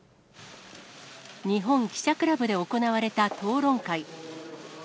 日本記者クラブで行われた討論会。